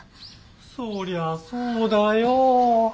そりゃそうだよ。